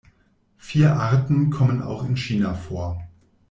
Vier Arten kommen auch in China vor.